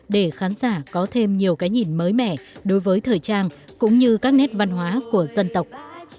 để khán giả có thêm nhiều cái nhìn mới mẻ đối với thời trang cũng như các nét văn hóa của dân tộc